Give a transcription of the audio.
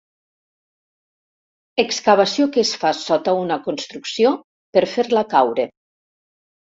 Excavació que es fa sota una construcció per fer-la caure.